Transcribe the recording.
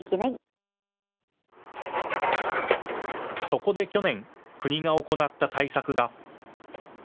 そこで去年、国が行った対策が。